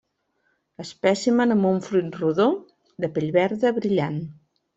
Espècimen amb un fruit rodó de pell verda brillant.